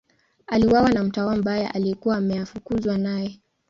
Aliuawa na mtawa mbaya aliyekuwa ameafukuzwa naye.